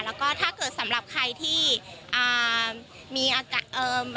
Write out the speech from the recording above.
แล้วก็ถ้าเกิดสำหรับใครที่มีอาจารย์